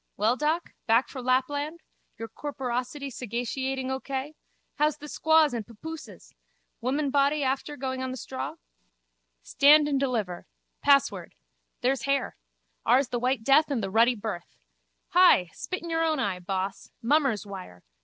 Well, doc? Back fro Lapland? Your corporosity sagaciating O K? How's the squaws and papooses? Womanbody after going on the straw? Stand and deliver. Password. There's hair. Ours the white death and the ruddy birth. Hi! Spit in your own eye, boss! Mummer's wire.